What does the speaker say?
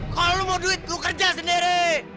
kalau lu mau duit lu kerja sendiri